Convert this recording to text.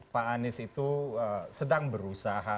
pak anies itu sedang berusaha